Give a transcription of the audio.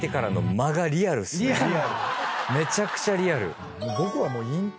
めちゃくちゃリアル。